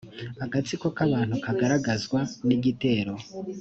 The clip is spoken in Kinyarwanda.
agatsiko k abantu kagaragazwa n igitero